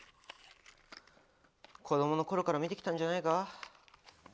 子どもの頃から見てきたんじゃないか？